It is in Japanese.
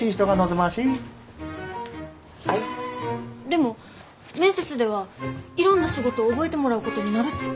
でも面接ではいろんな仕事を覚えてもらうことになるって。